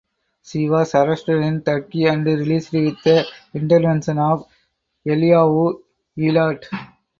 She was arrested in Turkey and released with the intervention of Eliahu Eilat.